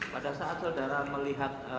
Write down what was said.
pada saat saudara melihat